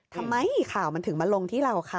ทำไมข่าวมันถึงมาลงที่เราคะ